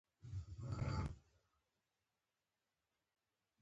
دریم مطلب : د نظام پیژندنه